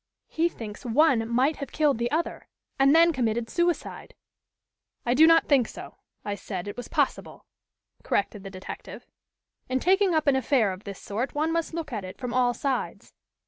"He thinks one might have killed the other and then committed suicide." "I do not think so. I said it was possible," corrected the detective. "In taking up an affair of this sort one must look at it from all sides."